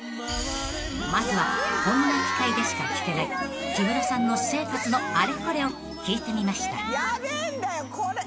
［まずはこんな機会でしか聞けない木村さんの私生活のあれこれを聞いてみました］